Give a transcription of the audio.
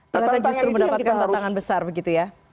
ternyata justru mendapatkan tantangan besar begitu ya